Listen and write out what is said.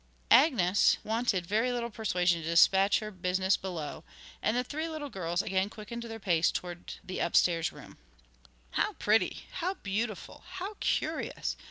Agnes wanted very little persuasion to despatch her business below, and the three little girls again quickened their pace towards the upstair room. 'How pretty!' 'How beautiful!' 'How curious!'